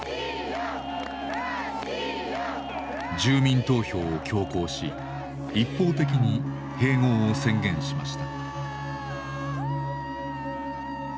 住民投票を強行し一方的に併合を宣言しました。